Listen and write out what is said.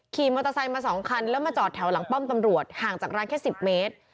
ขี่มอเตอร์ไซค์มา๒คันแล้วมาจอดแถวหลังป้อมตำรวจห่างจากร้านแค่๑๐เมตร